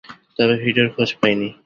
তবে ভিডিওর খোঁজ পাই নি।